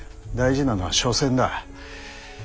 大事なのは緒戦だ。